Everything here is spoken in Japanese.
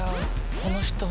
この人は。